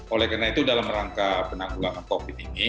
oleh karena itu dalam rangka penanggulangan covid ini